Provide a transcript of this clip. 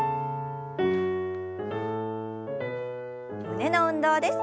胸の運動です。